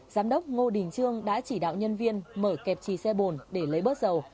giám đốc ngô đình trương đã chỉ đạo nhân viên mở kẹp trì xe bồn để lấy bớt dầu